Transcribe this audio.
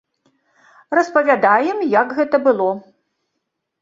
Распавядаем, як гэта было.